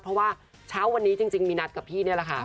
เพราะว่าเช้าวันนี้จริงมีนัดกับพี่นี่แหละค่ะ